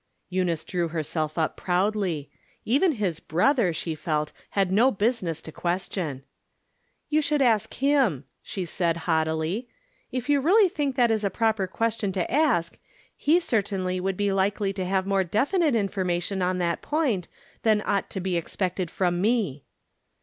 Eunice drew herself up proudly. Even his hrotJier she felt had no business to question. " You should ask him," she said, haughtily. " If you really think that is a proper question to ask, he certainly would be likely to have more definite information on that point, than ought to be expected from me."